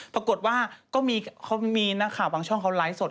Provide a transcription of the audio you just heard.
ปรากฏว่าก็มีนักข่าวบางช่องเขาไลฟ์สด